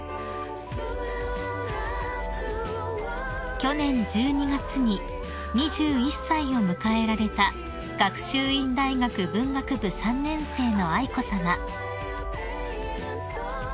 ［去年１２月に２１歳を迎えられた学習院大学文学部３年生の愛子さま］